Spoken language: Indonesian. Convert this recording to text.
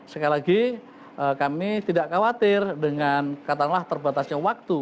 sekali lagi kami tidak khawatir dengan katakanlah terbatasnya waktu